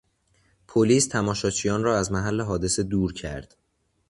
پلیس تماشاچیان را از محل حادثه دور کرد.